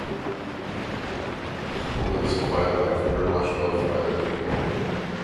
The couple lives a "quiet life" but are much loved by their people.